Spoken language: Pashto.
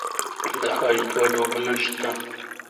د خج دوه ډولونه شته.